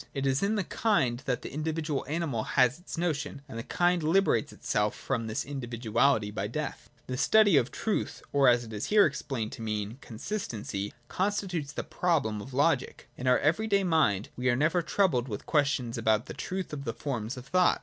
It is in the kind that the individual animal has its notion : and the kind liberates itself from this individuality by death. The study of truth, or, as it is here explained to mean, consistency, constitutes the proper problem of logic. In our every day mind we are never troubled with questions about the truth of the forms of thought.